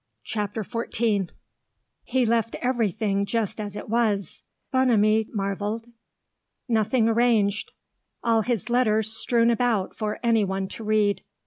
CHAPTER FOURTEEN "He left everything just as it was," Bonamy marvelled. "Nothing arranged. All his letters strewn about for any one to read.